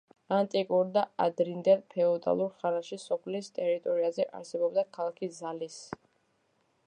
ანტიკურ და ადრინდელ ფეოდალურ ხანაში სოფლის ტერიტორიაზე არსებობდა ქალაქი ძალისი.